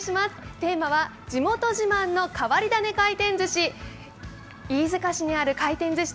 テーマは地元自慢の変わりダネ回転寿司。